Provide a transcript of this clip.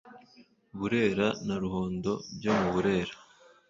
burera na ruhondo byo mu burera